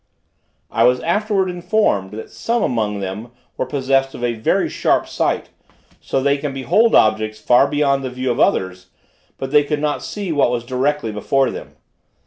I was afterwards informed that some among them were possessed of a very sharp sight, so that they can behold objects far beyond the view of others, but they could not see what was directly before them.